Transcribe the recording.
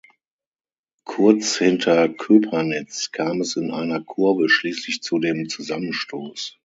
Kurz hinter Köpernitz kam es in einer Kurve schließlich zu dem Zusammenstoß.